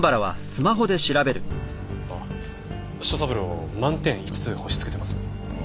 あっ舌三郎満点５つ星付けてますよ。